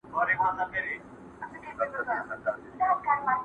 جهاني زه هم لکه شمع سوځېدل مي زده دي!